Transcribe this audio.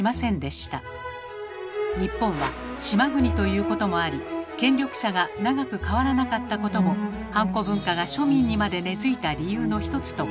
日本は島国ということもあり権力者が長くかわらなかったこともハンコ文化が庶民にまで根づいた理由の一つと考えられます。